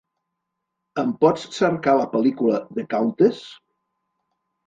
Em pots cercar la pel·lícula The Countess?